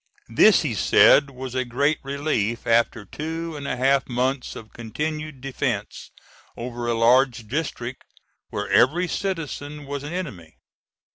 This, he said, was a great relief after two and a half months of continued defence over a large district where every citizen was an enemy.